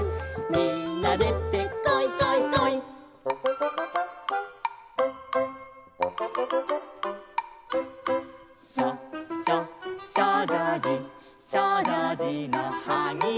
「みんなでてこいこいこい」「しょしょしょうじょうじ」「しょうじょうじのはぎは」